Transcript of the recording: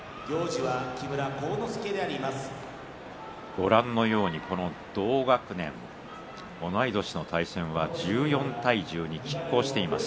ご覧のように同学年同い年の対戦は１４対１２、きっ抗しています。